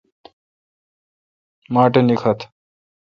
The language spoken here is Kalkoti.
ماٹھ نیکتھ۔